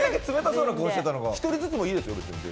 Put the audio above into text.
１人ずつでもいいですよ。